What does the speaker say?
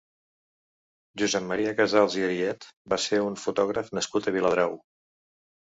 Josep Maria Casals i Ariet va ser un fotògraf nascut a Viladrau.